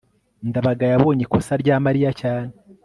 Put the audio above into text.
ndabaga yabonye ikosa rya mariya cyane